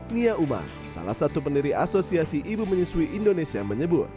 nia uma salah satu pendiri asosiasi ibu menyusui indonesia menyebut